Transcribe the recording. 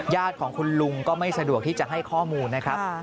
ญาติของคุณลุงก็ไม่สะดวกที่จะให้ข้อมูลนะครับ